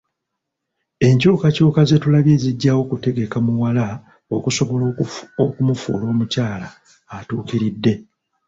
Enkyukakyuka ze tulabye zijjawo kutegeka muwala okusobola okumufuula omukyala atuukiridde.